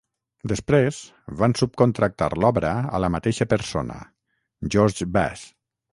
Després, van subcontractar l'obra a la mateixa persona, George Bass.